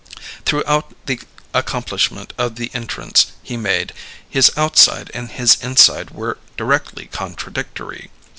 Throughout the accomplishment of the entrance he made, his outside and his inside were directly contradictory.